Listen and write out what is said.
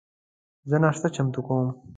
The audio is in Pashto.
زه ناشته چمتو کوم